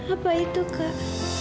apa itu kak